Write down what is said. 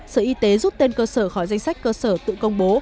sở y tế rút tên cơ sở khỏi danh sách cơ sở tự công bố